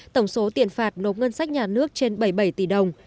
tổng số tiền phạt nộp ngân sách nhà nước trên bảy mươi bảy tỷ đồng